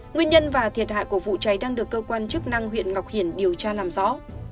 nguyên nhân và thiệt hại của vụ cháy đang được cơ quan chức năng huyện ngọc hiển điều tra làm rõ